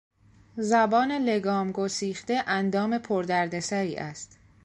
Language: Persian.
زبان لگام گسیخته اندام پر دردسری است.